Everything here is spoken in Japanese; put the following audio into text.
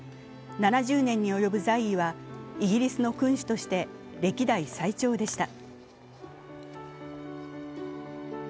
７０年に及ぶ在位はイギリスの君主として歴代最長でした。